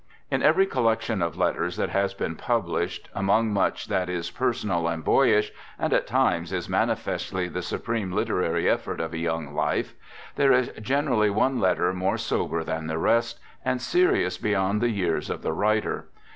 In every collection of letters that has been pub lished, among much that is personal and boyish — and at times is manifestly the supreme literary effort of a young life — there is generally one letter more sober than the rest, and serious beyond the years of the writer.